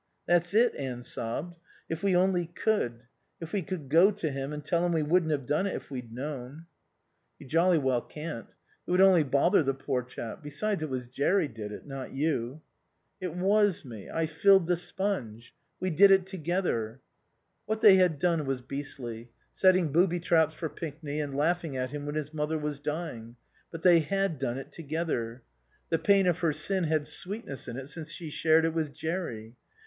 "That's it," Anne sobbed. "If we only could. If we could go to him and tell him we wouldn't have done it if we'd known." "You jolly well can't. It would only bother the poor chap. Besides, it was Jerry did it. Not you." "It was me. I filled the sponge. We did it together." What they had done was beastly setting booby traps for Pinkney, and laughing at him when his mother was dying but they had done it together. The pain of her sin had sweetness in it since she shared it with Jerry.